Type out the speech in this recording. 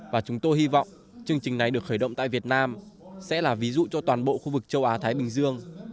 và chúng tôi hy vọng chương trình này được khởi động tại việt nam sẽ là ví dụ cho toàn bộ khu vực châu á thái bình dương